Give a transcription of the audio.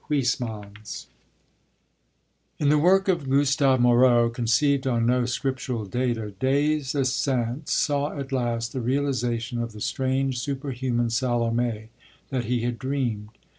In the work of Gustave Moreau, conceived on no Scriptural data, Des Esseintes saw at last the realisation of the strange, superhuman Salomé that he had dreamed.